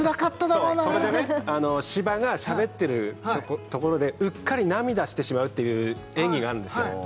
そうそれでね斯波がしゃべってるところでうっかり涙してしまうっていう演技があるんですよ